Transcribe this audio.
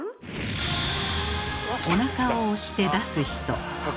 おなかを押して出す人。